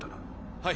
はい。